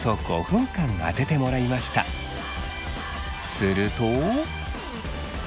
すると。